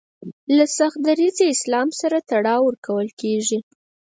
له سخت دریځه اسلام سره تړاو ورکول کیږي